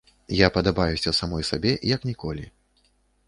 Я падабаюся самой сабе як ніколі.